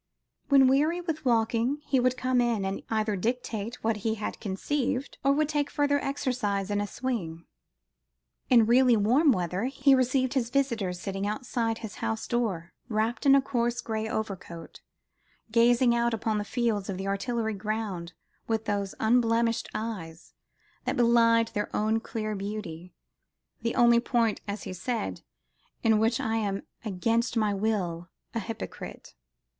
When weary with walking, he would come in and either dictate what he had conceived, or would take further exercise in a swing. In really warm weather, he received his visitors sitting outside his house door, wrapped in a coarse grey overcoat gazing out upon the fields of the Artillery ground with those "unblemished eyes" that belied their own clear beauty "the only point," as he said, "in which I am against my will a hypocrite."